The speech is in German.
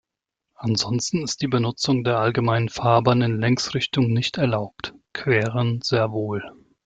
Ansonsten ist die Benutzung der allgemeinen Fahrbahn in Längsrichtung nicht erlaubt, queren sehr wohl.